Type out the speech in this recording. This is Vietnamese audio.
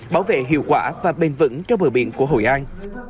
bảo vệ hiệu quả và bền vững cho bờ biển của hội an